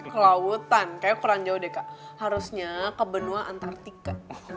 ke lautan kayaknya kurang jauh deh kak harusnya ke benua antartika